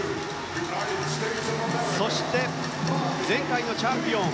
そして、前回のチャンピオン。